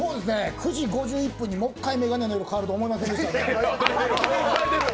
９時５１分にもう一回、眼鏡の色が変わるとは思わなかった。